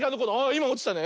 いまおちたね。